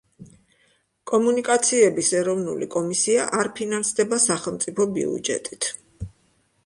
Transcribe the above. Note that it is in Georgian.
კომუნიკაციების ეროვნული კომისია არ ფინანსდება სახელმწიფო ბიუჯეტით.